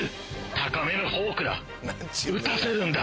高めのフォークだ打たせるんだ！